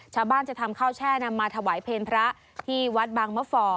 ชาวบ้านจะทำข้าวแช่นำมาถวายเพลพระที่วัดบางมะฝ่อ